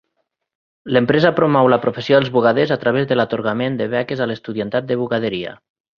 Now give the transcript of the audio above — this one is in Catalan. L'empresa promou la professió dels bugaders a través de l'atorgament de beques a l'estudiantat de bugaderia.